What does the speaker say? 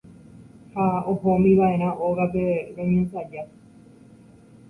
ha ohomiva'erã ógape roñensaja.